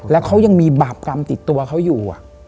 แล้วเขายังมีบาปกรรมติดตัวเขาอยู่